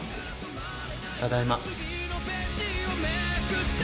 ただいま。